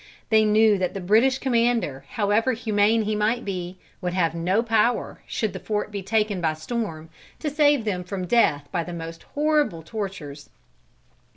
They knew that the British commander, however humane he might be, would have no power, should the fort be taken by storm, to save them from death by the most horrible tortures.